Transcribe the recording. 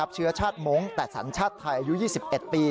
เชื้อชาติมงค์แต่สัญชาติไทยอายุ๒๑ปี